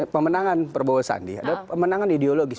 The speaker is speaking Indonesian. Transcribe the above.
pemenangan prabowo sandi adalah pemenangan ideologis